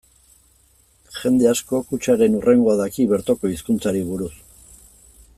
Jende askok hutsaren hurrengoa daki bertoko hizkuntzari buruz.